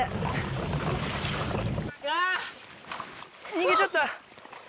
逃げちゃった。